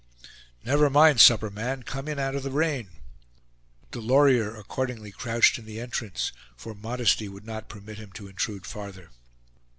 "Never mind supper, man; come in out of the rain." Delorier accordingly crouched in the entrance, for modesty would not permit him to intrude farther.